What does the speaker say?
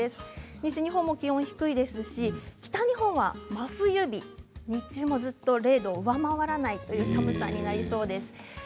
西日本も気温が低いですし下のほうは日中も０度を上回らないという寒さになりそうです。